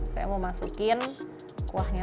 saya mau masukin kuahnya